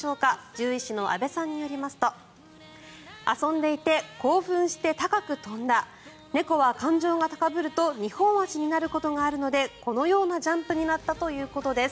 獣医師の阿部さんによりますと遊んでいて興奮して高く跳んだ猫は感情が高ぶると二本足になることがあるのでこのようなジャンプになったということです。